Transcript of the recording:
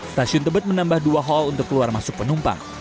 stasiun tebet menambah dua hal untuk keluar masuk penumpang